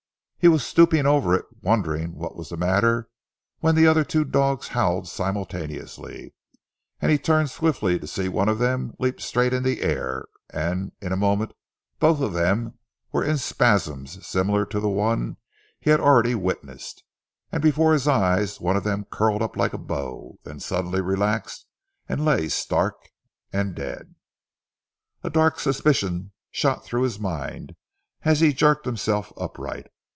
He was stooping over it, wondering what was the matter when the other two dogs howled simultaneously, and he turned swiftly to see one of them leap straight in the air, and in a moment both of them were in spasms similar to the one he had already witnessed, and before his eyes one of them curled up like a bow, then suddenly relaxed, and lay stark and dead. A dark suspicion shot through his mind, as he jerked himself upright.